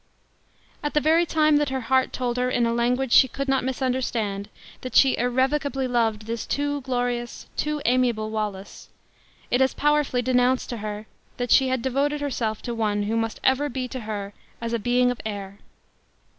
At the very time that her heart told her in a language she could not misunderstand, that she irrevocably loved this too glorious, too amiable Wallace, it as powerfully denounced to her, that she had devoted herself to one who must ever be to her as a being of air.